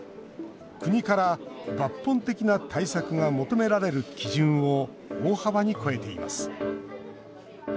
国から抜本的な対策が求められる基準を大幅に超えています。